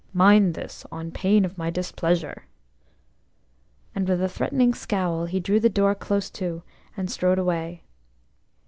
Mind this, on pain of my displeasure." And with a threatening scowl he drew the door close to and strode away.